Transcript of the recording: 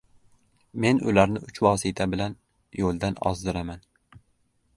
Men ularni uch vosita bilan yo‘ldan ozdiraman: